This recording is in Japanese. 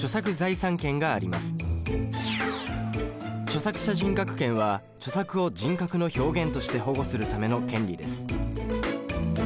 著作者人格権は著作を人格の表現として保護するための権利です。